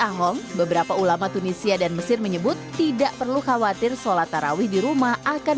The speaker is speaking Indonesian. ahom beberapa ulama tunisia dan mesir menyebut tidak perlu khawatir sholat taraweh dirumah akan